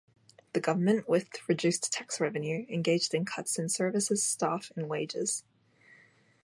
The government, with reduced tax revenue, engaged in cuts in services, staff and wages.